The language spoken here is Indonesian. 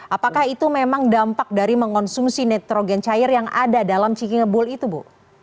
apakah itu memang dampak dari mengonsumsi nitrogen cair yang ada dalam ciki ngebul itu bu